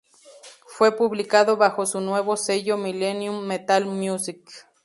Fue publicado bajo su nuevo sello Millennium Metal Music.